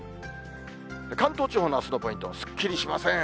関東地方のあすのポイント、すっきりしません。